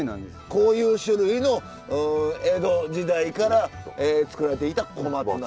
こういう種類の江戸時代から作られていた小松菜。